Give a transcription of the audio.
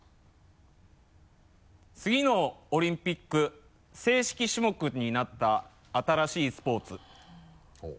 次のオリンピック正式種目になった新しいスポーツ。